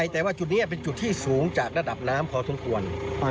แต่ว่าจุดนี้เป็นจุดที่สูงจากระดับน้ำพอสมควร